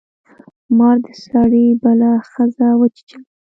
مار د سړي بله ښځه وچیچله.